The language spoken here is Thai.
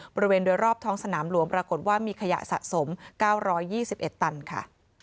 บริเวณโดยรอบท้องสนามหลวงปรากฏว่ามีขยะสะสม๙๒๑ตันค่ะ